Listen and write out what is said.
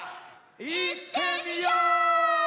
いってみよう！